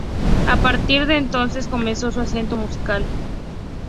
A partir de entonces comenzó su ascenso musical.